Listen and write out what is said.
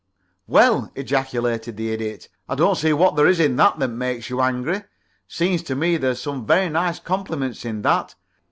"Well," ejaculated the Idiot, "I don't see what there is in that to make you angry. Seems to me there's some very nice compliments in that.